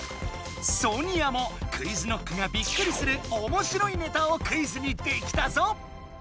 ソニアもＱｕｉｚＫｎｏｃｋがびっくりする「おもしろいネタ」をクイズにできたぞ。